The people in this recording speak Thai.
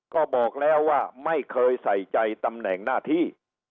ก็บอกแล้วว่าไม่เคยใส่ใจตำแหน่งหน้าที่